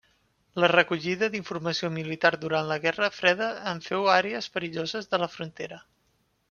La recollida d'informació militar durant la guerra freda en féu àrees perilloses de la frontera.